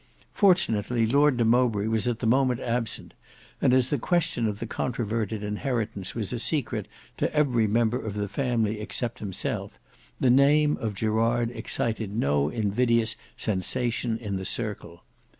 Fortunately Lord de Mowbray was at the moment absent, and as the question of the controverted inheritance was a secret to every member of the family except himself, the name of Gerard excited no invidious sensation in the circle.